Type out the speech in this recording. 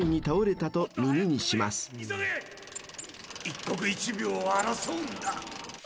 「一刻一秒を争うんだ」